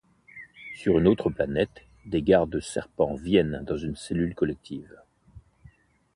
Sur une autre planète, des gardes-serpents viennent dans une cellule collective.